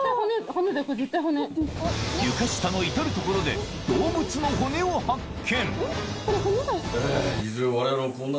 床下の至る所で動物の骨を発見